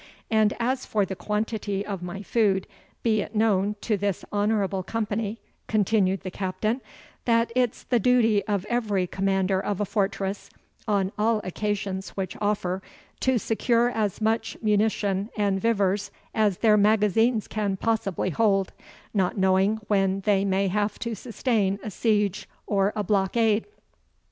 And as for the quantity of my food, be it known to this honourable company," continued the Captain, "that it's the duty of every commander of a fortress, on all occasions which offer, to secure as much munition and vivers as their magazines can possibly hold, not knowing when they may have to sustain a siege or a blockade.